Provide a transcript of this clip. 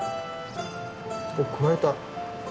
おっくわえた。